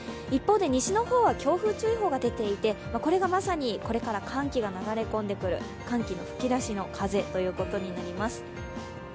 一方で西の方は強風注意報が出ていてこれがまさにこれから寒気が流れ込んでくる、寒気の吹き出しの風ということになります。